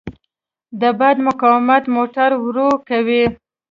د باد مقاومت موټر ورو کوي.